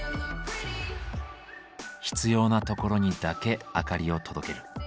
必要なところにだけ明かりを届ける。